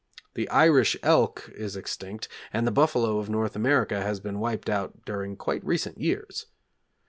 The Irish elk is extinct, and the buffalo of North America has been wiped out during quite recent years.